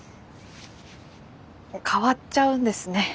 変わっちゃうんですね